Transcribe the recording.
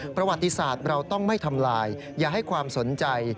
ประวัติศาสตร์เราต้องไม่ทำลายอย่าให้ความสนใจ